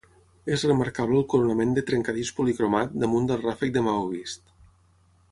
És remarcable el coronament de trencadís policromat, damunt del ràfec de maó vist.